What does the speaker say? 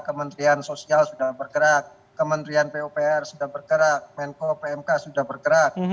kementerian sosial sudah bergerak kementerian pupr sudah bergerak menko pmk sudah bergerak